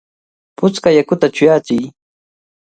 ¡Puchka yakuta chuyayachiy!